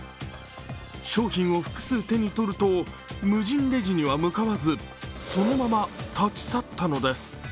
商品を複数手に取ると無人レジには向かわずそのまま立ち去ったのです。